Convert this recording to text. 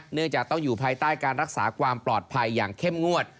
เนื่องจากต้องอยู่ภายใต้การรักษาความปลอดภัยอย่างเข้มงวด